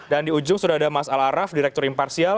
dan di ujung sudah ada mas al araf direktur imparsial